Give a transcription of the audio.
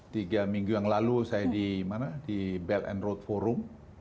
tiga minggu yang lalu saya di belt and road forum